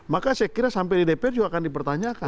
maka saya kira sampai di dpr juga akan dipertanyakan